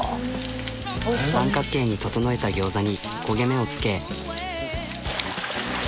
三角形に整えた餃子に焦げ目をつけ。